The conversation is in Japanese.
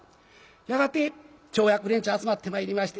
やがて町役連中集まってまいりまして。